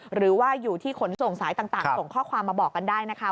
หรือว่าอยู่ที่ขนส่งสายต่างส่งข้อความมาบอกกันได้นะคะ